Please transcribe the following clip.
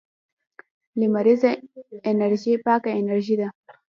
لمریزه انرژي پاکه انرژي ده